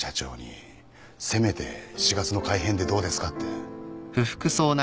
せめて４月の改編でどうですかって。